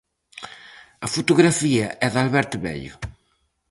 A fotografía é de Alberte Bello.